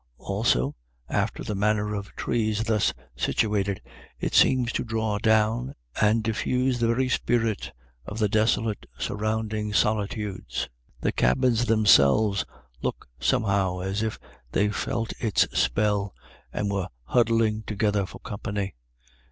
Also, after the manner of trees thus situated, it seems to draw down and diffuse the very spirit of the desolate surrounding solitudes. The cabins themselves look somehow as if they felt its spell, and were huddling together for company.